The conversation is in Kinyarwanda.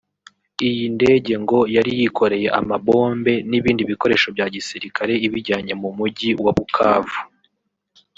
Iyi ndege ngo yari yikoreye amabombe n’ ibindi bikoresho bya gisirikare ibijyanye mu mugi wa Bukavu